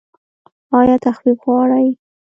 ایا تخفیف غواړئ؟